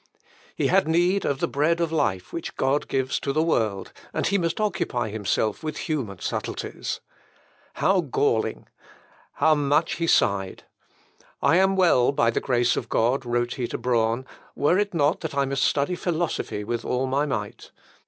He had need of the bread of life which God gives to the world, and he must occupy himself with human subtleties. How galling! How much he sighed! "I am well, by the grace of God," wrote he to Braun, "were it not that I must study philosophy with all my might.